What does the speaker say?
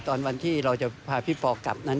ตอนที่เราจะพาพี่ปอกลับนั้น